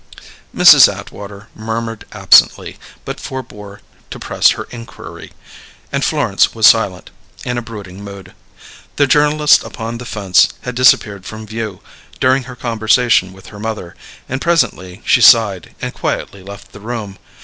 Mrs. Atwater murmured absently, but forbore to press her inquiry; and Florence was silent, in a brooding mood. The journalists upon the fence had disappeared from view, during her conversation with her mother; and presently she sighed, and quietly left the room.